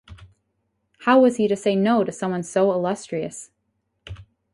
How was he to say no to someone so illustrious?